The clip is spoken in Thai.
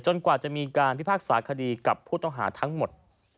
กว่าจะมีการพิพากษาคดีกับผู้ต้องหาทั้งหมด